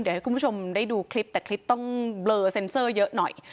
เดี๋ยวให้คุณผู้ชมได้ดูคลิปแต่คลิปต้องเบลอเซ็นเซอร์เยอะหน่อย